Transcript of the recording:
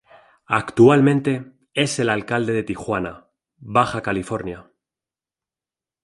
Actualmente, es el alcalde de Tijuana, Baja California.